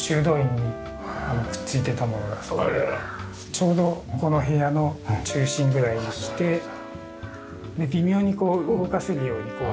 ちょうどこの部屋の中心ぐらいにきてで微妙にこう動かせるようにつけまして。